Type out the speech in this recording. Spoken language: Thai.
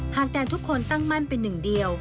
แทนทุกคนตั้งมั่นเป็นหนึ่งเดียว